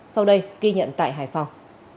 sau đây kỳ nhận tại hải phòng